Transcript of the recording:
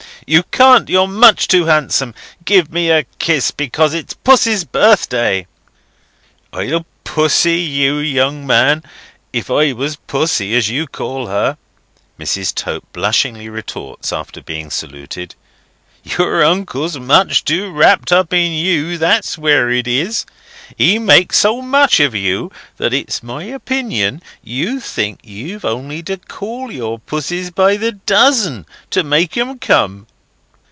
"You can't. You're much too handsome. Give me a kiss because it's Pussy's birthday." "I'd Pussy you, young man, if I was Pussy, as you call her," Mrs. Tope blushingly retorts, after being saluted. "Your uncle's too much wrapt up in you, that's where it is. He makes so much of you, that it's my opinion you think you've only to call your Pussys by the dozen, to make 'em come."